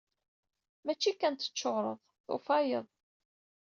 Mačči kan teččureḍ. Tufayeḍ.